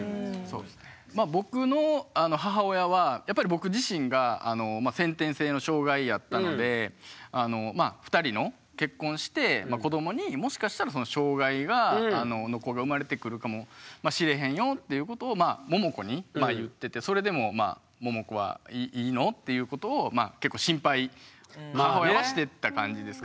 僕の母親はやっぱり僕自身が先天性の障害やったのでまあ２人の結婚して子どもにもしかしたらっていうことをももこに言っててそれでもももこはいいの？っていうことを結構心配母親はしてた感じですかね。